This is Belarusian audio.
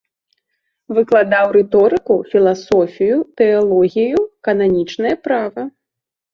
Выкладаў рыторыку, філасофію, тэалогію, кананічнае права.